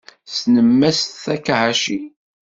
Tessnem Mass Takahashi?